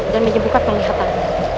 dan menyembuhkan penglihatan